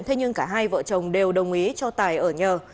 thế nhưng cả hai vợ chồng đều đồng ý cho tài ở nhờ